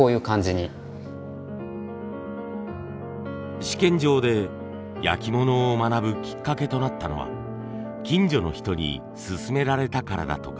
試験場で焼き物を学ぶきっかけとなったのは近所の人に勧められたからだとか。